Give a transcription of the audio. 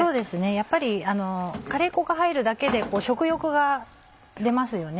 やっぱりカレー粉が入るだけで食欲が出ますよね。